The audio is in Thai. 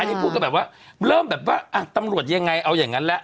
อันนี้พูดก็แบบว่าเริ่มแบบว่าอ่ะตำรวจยังไงเอาอย่างนั้นแล้ว